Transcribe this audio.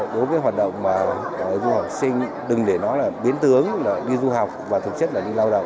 đối với hoạt động mà du học sinh đừng để nó là biến tướng là đi du học và thực chất là đi lao động